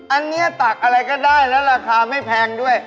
อันนี้ตักอะไรก็ได้แล้วราคาไม่แพงด้วย